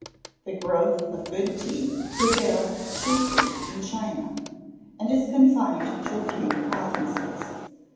The growth of good tea prevails chiefly in China, and is confined to a few provinces.